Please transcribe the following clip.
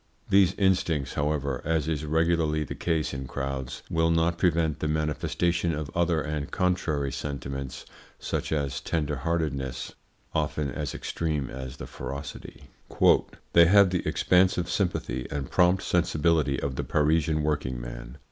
These instincts, however as is regularly the case in crowds will not prevent the manifestation of other and contrary sentiments, such as a tenderheartedness often as extreme as the ferocity. "They have the expansive sympathy and prompt sensibility of the Parisian working man.